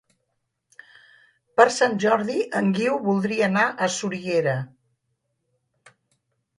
Per Sant Jordi en Guiu voldria anar a Soriguera.